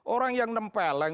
orang yang nempel